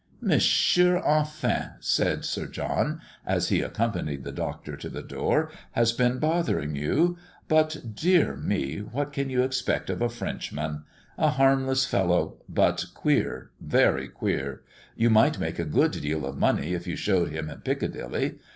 "Monsieur Enfin," said Sir John, as he accompanied the Doctor to the door, "has been bothering you, but, dear me; what can you expect of a Frenchman? a harmless fellow, but queer, very queer! You might make a good deal of money if you shewed him in Piccadilly.